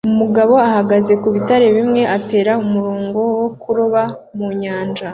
Umugabo ahagaze ku bitare bimwe atera umurongo wo kuroba mu nyanja